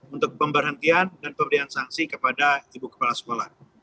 untuk pemberhentian dan pemberian sanksi kepada ibu kepala sekolah